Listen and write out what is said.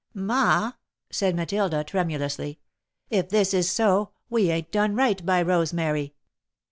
"Ma," said Matilda, tremulously, "if this is so, we ain't done right by Rosemary."